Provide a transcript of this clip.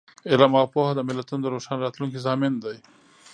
علم او پوهه د ملتونو د روښانه راتلونکي ضامن دی.